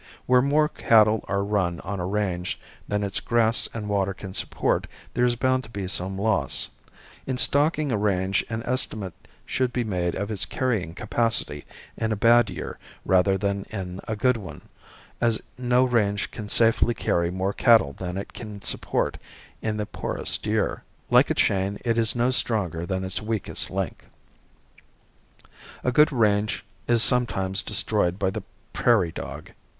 Where more cattle are run on a range than its grass and water can support there is bound to be some loss. In stocking a range an estimate should be made of its carrying capacity in a bad year rather than in a good one, as no range can safely carry more cattle than it can support in the poorest year; like a chain, it is no stronger than its weakest link. A good range is sometimes destroyed by the prairie dog.